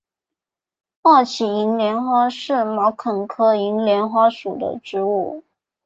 二歧银莲花是毛茛科银莲花属的植物。